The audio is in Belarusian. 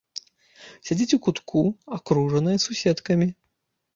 Сядзіць у кутку, акружаная суседкамі.